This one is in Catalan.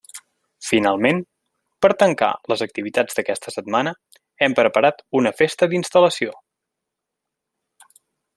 Finalment, per tancar les activitats d'aquesta setmana hem preparat una Festa d'instal·lació.